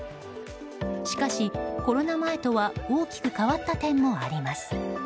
しかし、コロナ前とは大きく変わった点もあります。